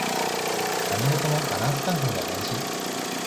何事もバランス感覚が大事